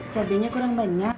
cabainya kurang banyak